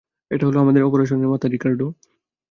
এটা হলো আমাদের অপারেশনের মাথা, রিকার্ডো।